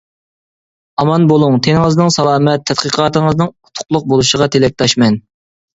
ئامان بولۇڭ، تېنىڭىزنىڭ سالامەت، تەتقىقاتىڭىزنىڭ ئۇتۇقلۇق بولۇشىغا تىلەكداشمەن.